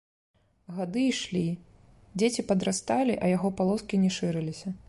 Гады ішлі, дзеці падрасталі, а яго палоскі не шырыліся.